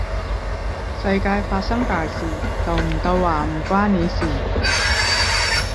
世界發生大事，就唔到話唔關你事